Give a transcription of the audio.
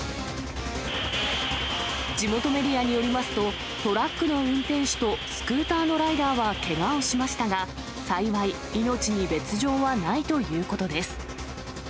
地元メディアによりますと、トラックの運転手とスクーターのライダーはけがをしましたが、幸い、命に別状はないということです。